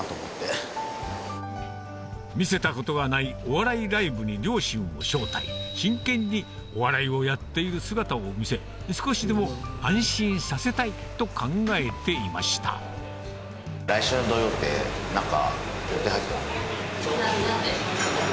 お笑いライブに両親を招待真剣にお笑いをやっている姿を見せ少しでも安心させたいと考えていましたうん。